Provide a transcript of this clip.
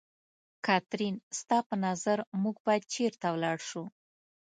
کاترین، ستا په نظر موږ باید چېرته ولاړ شو؟